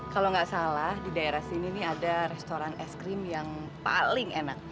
kalau nggak salah di daerah sini nih ada restoran es krim yang paling enak